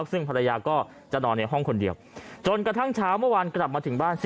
ซึ่งภรรยาก็จะนอนในห้องคนเดียวจนกระทั่งเช้าเมื่อวานกลับมาถึงบ้าน